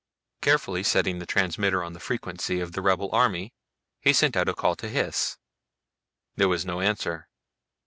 Carefully setting the transmitter on the frequency of the rebel army, he sent out a call to Hys. There was no answer.